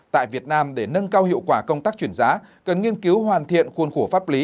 tại việt nam để nâng cao hiệu quả công tác chuyển giá cần nghiên cứu hoàn thiện khuôn khổ pháp lý